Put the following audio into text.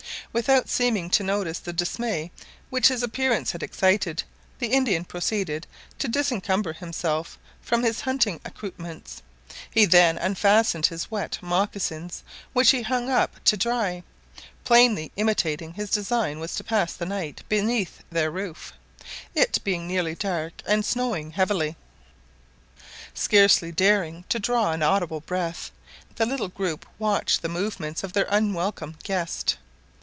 Without seeming to notice the dismay which his appearance had excited, the Indian proceeded to disencumber himself from his hunting accoutrements; he then unfastened his wet mocassins, which he hung up to dry, plainly intimating his design was to pass the night beneath their roof, it being nearly dark, and snowing heavily. Scarcely daring to draw an audible breath, the little group watched the movements of their unwelcome guest.